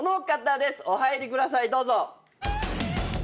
お入りくださいどうぞ。